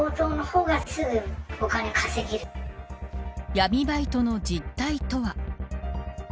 闇バイトの実態とは。